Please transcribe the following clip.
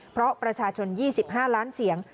เพราะประชาชน๒๕ล้านเสียง